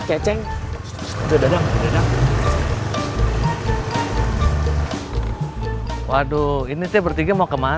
tapi kan beda aku mah